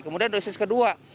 kemudian dosis kedua